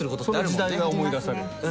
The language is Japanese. その時代が思い出される。